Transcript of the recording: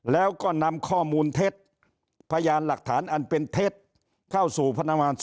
แล้วก็นำข้อมูลเท็จพยานหลักฐานอันเป็นเท็จเข้าสู่พนักงาน